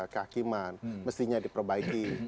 kehakiman mestinya diperbaiki